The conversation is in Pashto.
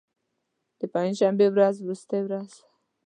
د پنج شنبې ورځ وروستۍ ورځ وه.